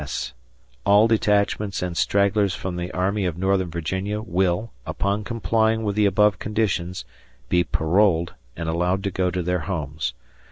G. P. S. All detachments and stragglers from the Army of Northern Virginia will, upon complying with the above conditions, be paroled and allowed to go to their homes.